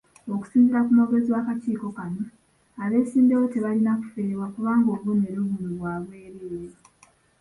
Okusinziira ku mwogezi w'akakiiko kano, abeesimbyewo tebalina kuferebwa kubanga obubonero buno bwa bwereere.